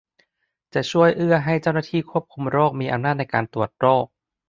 จะช่วยเอื้อให้เจ้าหน้าที่ควบคุมโรคมีอำนาจในการตรวจโรค